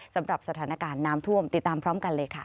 สำหรับสถานการณ์น้ำท่วมติดตามพร้อมกันเลยค่ะ